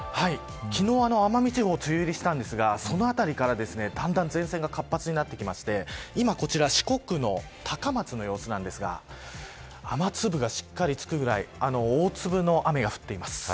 昨日、奄美地方が梅雨入りしたんですが、その辺りからだんだん前線が活発になってきまして、今こちら四国の高松の様子ですが雨粒がしっかりつくぐらい大粒の雨が降っています。